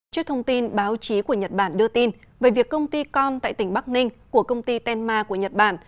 trước thông tin báo chí của nhật bản đưa tin về việc công ty con tại tỉnh bắc ninh của công ty tenma của nhật bản